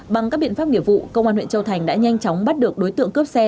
bằng các biện pháp nghiệp vụ công an huyện châu thành đã nhanh chóng bắt được đối tượng cướp xe